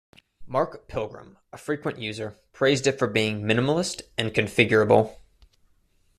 Mark Pilgrim, a frequent user, praised it for being "minimalist" and "configurable".